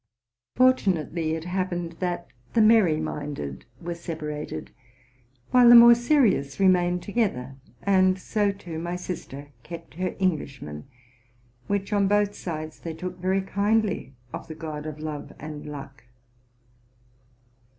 Fortunately it happened that the merry minded were separated, while the more serious re mained together, and so, too, my sister kept her Englishman ; which, on both sides, they took very kindly of the god of Love and Luck.